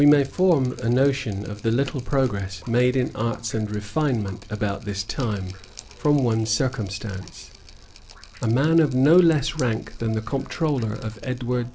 We pay form a notion of the little progress made in arts and refinement about this time, from one circumstance; a man of no less rank than the comptroller of Edward VI.